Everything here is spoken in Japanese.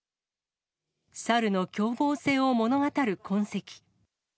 サルの凶暴性を物語る痕跡。